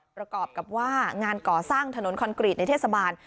ประกอบกับว่างานก่อสร้างถนนคอนกรีตในเทศบาล